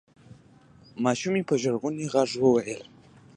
ماشومې په ژړغوني غږ وویل: